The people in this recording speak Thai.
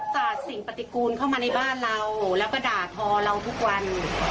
จากสิ่งปฏิกูลเข้ามาในบ้านเราแล้วก็ด่าทอเราทุกวัน